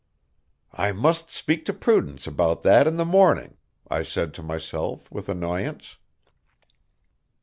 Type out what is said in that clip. "I must speak to Prudence about that in the morning," I said to myself with annoyance.